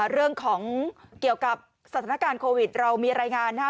เรื่องของเกี่ยวกับสถานการณ์โควิดเรามีรายงานนะฮะ